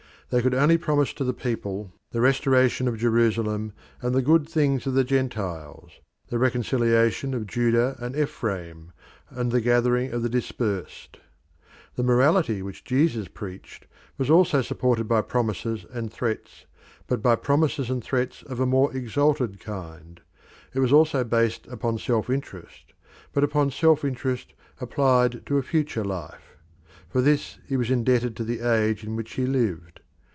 They could only promise to the people the restoration of Jerusalem and the good things of the Gentiles; the reconciliation of Judah and Ephraim, and the gathering of the dispersed. The morality which Jesus preached was also supported by promises and threats, but by promises and threats of a more exalted kind: it was also based upon self interest, but upon self interest applied to a future life. For this he was indebted to the age in which he lived.